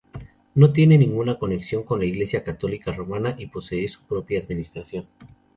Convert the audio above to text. No tiene ninguna conexión con la Iglesia católica romana y posee su propia administración.